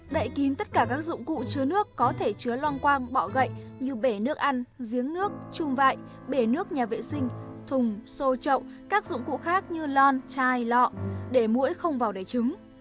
đậy kín tất cả các dụng cụ chứa nước có thể chứa long quang bọ gậy như bể nước ăn giếng nước chung vại bể nước nhà vệ sinh thùng sô trộng các dụng cụ khác như lon chai lọ để mũi không vào đầy trứng